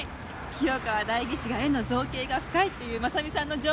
清川代議士が絵の造詣が深いっていう真実さんの情報